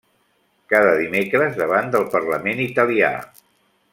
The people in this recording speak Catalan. Cada dimecres davant del parlament italià.